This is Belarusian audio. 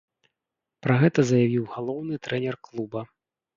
Пра гэта заявіў галоўны трэнер клуба.